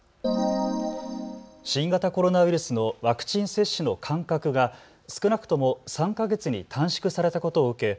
新型コロナウイルスのワクチン接種の間隔が少なくとも３か月に短縮されたことを受け